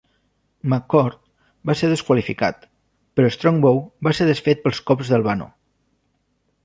McCord va ser desqualificat, però Strongbow va ser desfet pels cops d'Albano.